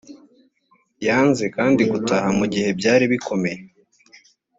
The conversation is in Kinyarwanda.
yanze kandi gutaha mu gihe byari bikomeye .